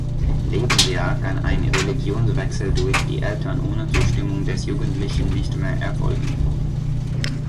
Lebensjahr kann ein Religionswechsel durch die Eltern ohne Zustimmung des Jugendlichen nicht mehr erfolgen.